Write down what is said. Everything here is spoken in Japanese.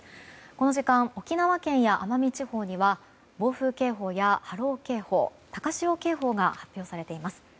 この時間、沖縄県や奄美地方には暴風警報や波浪警報高潮警報が発表されています。